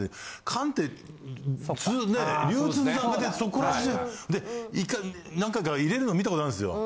缶って普通ね流通の段階でそこら中１回何回か入れるの見たことあるんですよ。